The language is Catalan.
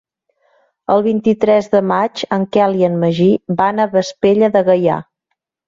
El vint-i-tres de maig en Quel i en Magí van a Vespella de Gaià.